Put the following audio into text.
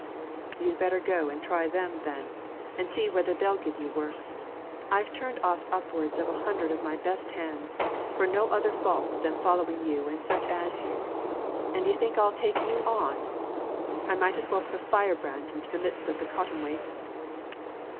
"You'd better go and try them, then, and see whether they'll give you work. I've turned off upwards of a hundred of my best hands, for no other fault than following you and such as you; and d'ye think I'll take you on? I might as well put a fire brand into the midst of the cotton waste."